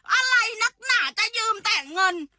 อะไรนักหนาจะยืมแต่เงิน